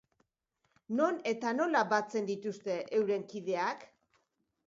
Non eta nola batzen dituzte euren kideak?